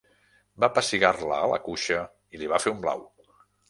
Va pessigar-la a la cuixa i li va fer un blau.